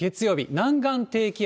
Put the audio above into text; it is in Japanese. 南岸低気圧。